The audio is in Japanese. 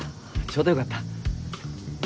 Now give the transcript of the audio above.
ちょうどよかった。